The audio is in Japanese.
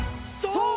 そう！